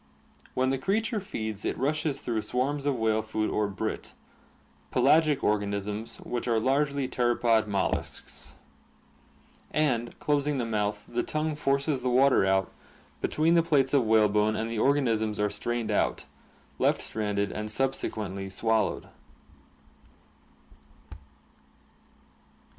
When the creature feeds it rushes through swarms of whale food or " brit "— pelagic organisms which are largely pteropod molluscs — and, closing the mouth, the tongue forces the water out between the plates of whalebone and the or ganisms are strained out, left stranded, and subse quently swallowed.